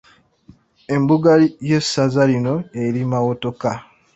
Embuga y'essaza lino eri Mawokota.